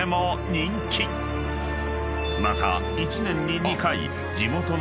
［また］